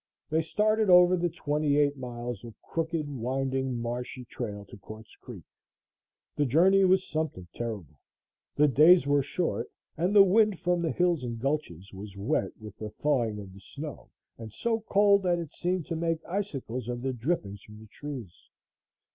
They started over the twenty eight miles of crooked, winding, marshy trail to Quartz Creek. The journey was something terrible. The days were short and the wind from the hills and gulches was wet with the thawing of the snow and so cold that it seemed to make icicles of the drippings from the trees.